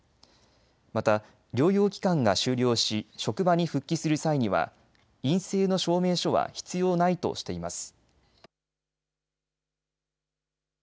また療養期間が終了し職場に復帰する際には陰性の証明書は必要ないとしています。